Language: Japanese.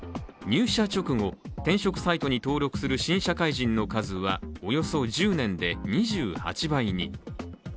入社直後、転職サイトに登録する新社会人の数はおよそ１０年で２８倍に。